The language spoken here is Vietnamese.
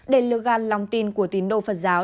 để lưu gan lòng tin của tín đồ phật giáo